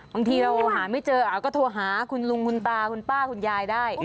บางทีเราหาไม่เจอก็โทรหาคุณลุงคุณตาคุณป้าคุณยายได้